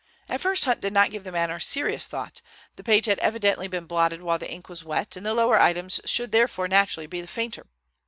At first Hunt did not give the matter serious thought. The page had evidently been blotted while the ink was wet, and the lower items should therefore naturally be the fainter.